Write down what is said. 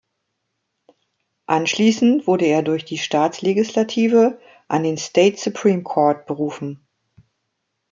Anschließend wurde er durch die Staatslegislative an den "State Supreme Court" berufen.